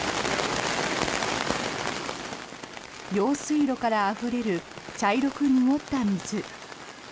用水路からあふれる茶色く濁った水。